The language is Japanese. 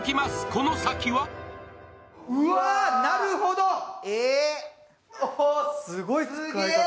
この先はすごい使い方。